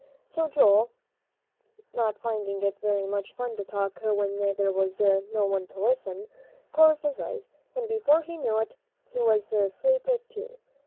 So Joel, not finding it very much fun to talk when there was no one to listen, closed his eyes, and before he knew it, he was asleep too.